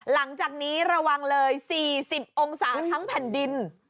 หลังจากนี้ระวังเลย๔๐องศาทั้งแผ่นดิน